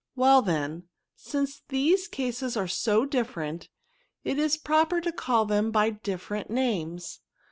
Well then, since these cases are so different, it is proper to call them by different names.